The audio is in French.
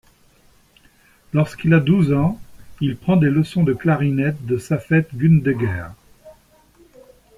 Lorsqu'il a douze ans, il prend des leçons de clarinette de Saffet Gündeğer.